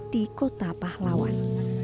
di kota pahlawan